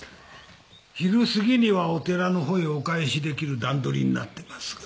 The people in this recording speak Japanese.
昼すぎにはお寺の方へお返しできる段取りになってますが。